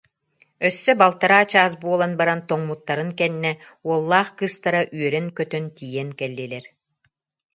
Өссө балтараа чаас буолан баран, тоҥмуттарын кэннэ, уоллаах кыыстара үөрэн-көтөн тиийэн кэллилэр